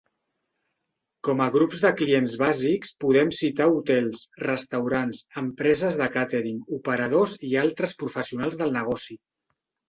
Com a grups de clients bàsics podem citar hotels, restaurants, empreses de càtering, operadors i altres professionals del negoci.